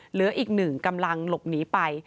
เหลืออีกหนึ่งกำลังหลบหนีไป